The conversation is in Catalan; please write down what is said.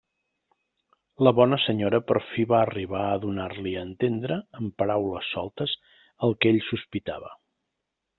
La bona senyora per fi va arribar a donar-li a entendre amb paraules soltes el que ell sospitava.